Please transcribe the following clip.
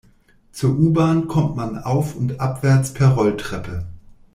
Zur U-Bahn kommt man auf- und abwärts per Rolltreppe.